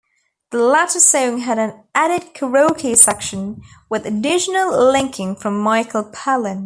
The latter song had an added karaoke section with additional linking from Michael Palin.